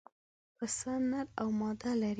پسه نر او ماده لري.